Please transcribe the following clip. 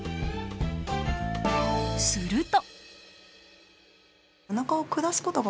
すると。